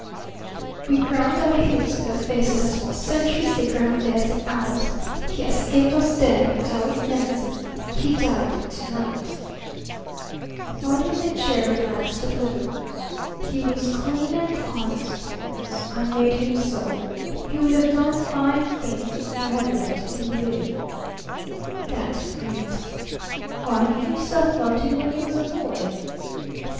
We ground our heels in their faces as for centuries they ground theirs in ours. He escaped us there but I was Nemesis. He died to night." The body in the chair relaxed a little. "He was clean and honest, Boris. I made him so. He would have done fine things if you had let him live." "That breed?" "Why, you yourself loved him when he was a boy!"